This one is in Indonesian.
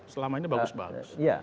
selama ini bagus bagus